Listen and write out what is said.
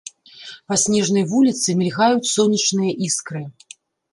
Па снежнай вуліцы мільгаюць сонечныя іскры.